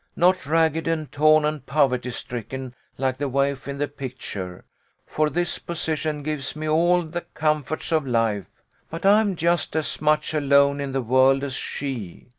Not ragged and torn and poverty stricken like the waif in the picture, for this position gives me all the comforts of life, but I'm just as much alone in the world as she.